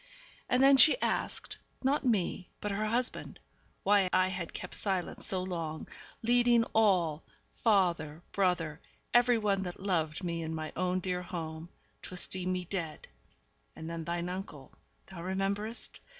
And then she asked not me, but her husband why I had kept silent so long, leading all father, brother, every one that loved me in my own dear home to esteem me dead. And then thine uncle (thou rememberest?)